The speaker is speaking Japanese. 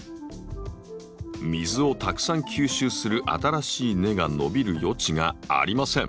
水をたくさん吸収する新しい根が伸びる余地がありません。